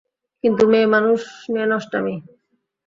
কিন্তু মেয়ে মানুষ নিয়ে নষ্টামি?